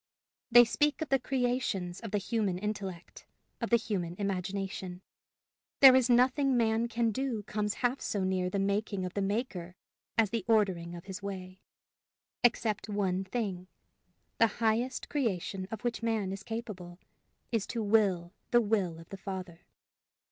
They speak of the creations of the human intellect, of the human imagination! there is nothing man can do comes half so near the making of the Maker as the ordering of his way except one thing: the highest creation of which man is capable, is to will the will of the Father.